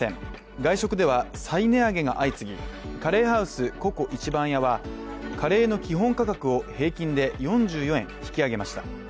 外食では再値上げが相次ぎ、カレーハウスＣｏＣｏ壱番屋はカレーの基本価格を平均で４４円引き上げました。